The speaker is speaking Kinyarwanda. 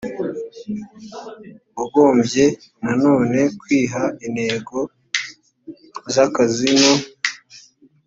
wagombye na none kwiha intego z akazi no